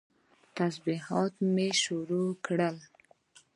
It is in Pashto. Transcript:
تسبيحات مې شروع کړل.